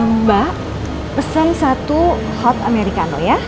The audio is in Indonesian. mbak pesan satu hot americano ya